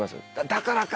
「だからか！」